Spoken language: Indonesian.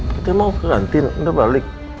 kita mau ke kantin udah balik